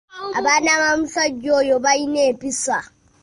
Abaana b'omusajja oyo bayina empisa.